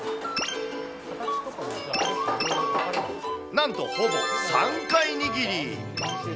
なんとほぼ３回握り。